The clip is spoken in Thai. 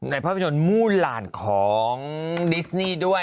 ภาพยนตร์มู่หลานของดิสนี่ด้วย